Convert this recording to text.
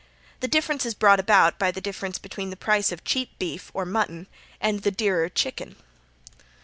The difference is brought about by the difference between the price of cheap beef or mutton and the dearer chicken.